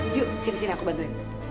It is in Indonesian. yuk sini sini aku bantuin